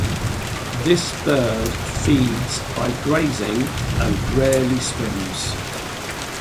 This bird feeds by grazing and rarely swims.